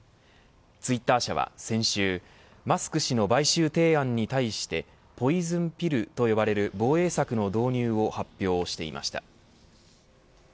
ツイッター社は先週マスク氏の買収提案に対してポイズンピルと呼ばれる防衛策の導入を発表していました。